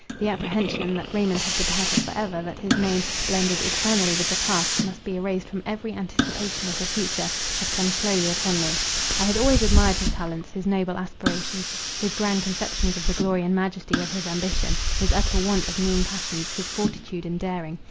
The apprehension, that Raymond had departed for ever, that his name, blended eternally with the past, must be erased from every anticipation of the future, had come slowly upon me. I had always admired his talents; his noble aspirations; his grand conceptions of the glory and majesty of his ambition: his utter want of mean passions; his fortitude and daring.